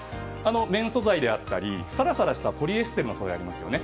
綿素材であったりさらさらしたポリエステルの素材ありますよね。